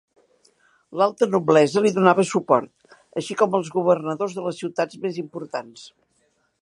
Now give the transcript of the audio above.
L'alta noblesa li donava suport, així com els governadors de les ciutats més importants.